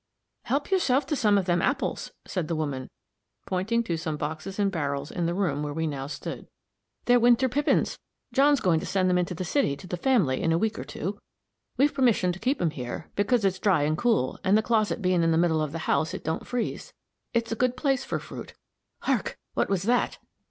"Help yourself to some of them apples," said the woman, pointing to some boxes and barrels in the room where we now stood. "They're winter pippins. John's going to send them into the city, to the family, in a week or two. We've permission to keep 'em here, because it's dry and cool, and the closet being in the middle of the house, it don't freeze. It's a good place for fruit. Hark! What was that?"